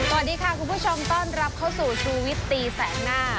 สวัสดีค่ะคุณผู้ชมต้อนรับเข้าสู่ชูวิตตีแสกหน้า